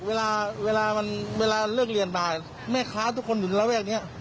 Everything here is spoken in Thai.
เวลาเวลามันเวลาเลิกเรียนบ่ายแม่ค้าทุกคนอยู่ระแวกนี้